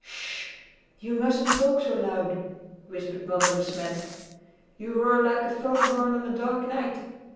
"Sh h h! You mustn't talk so loud," whispered Mother De Smet. "You roar like a foghorn on a dark night.